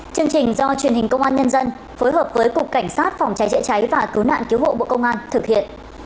chương trình do truyền hình công an nhân dân phối hợp với cục cảnh sát phòng trái trịa trái và cứu nạn cứu hộ bộ công an thực hiện